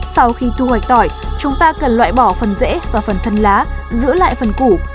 sau khi thu hoạch tỏi chúng ta cần loại bỏ phần rễ và phần thân lá giữ lại phần củ